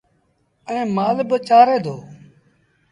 ائيٚݩ مآل با چآري دو